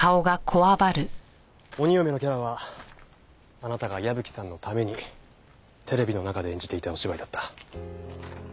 鬼嫁のキャラはあなたが矢吹さんのためにテレビの中で演じていたお芝居だった。